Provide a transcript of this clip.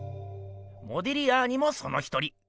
モディリアーニもその一人。